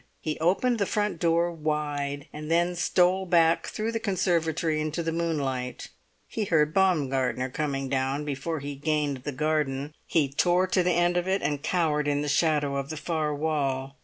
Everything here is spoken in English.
He opened the front door wide, and then stole back through the conservatory into the moonlight. He heard Baumgartner coming down before he gained the garden. He tore to the end of it, and cowered in the shadow of the far wall.